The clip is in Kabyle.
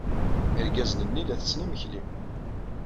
Irgazen-nni la ttetten imekli.